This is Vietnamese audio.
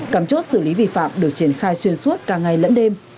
cảm chốt xử lý vi phạm được triển khai xuyên suốt cả ngày lẫn đêm